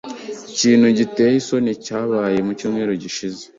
Ikintu giteye isoni cyabaye mucyumweru gishize.